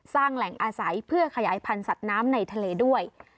สร้างแหล่งอาศัยเพื่อขยายพันธุ์สัตว์น้ำในทะเลด้วย